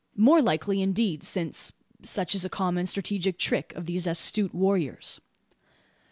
More likely, indeed, since such is a common strategic trick of these astute warriors.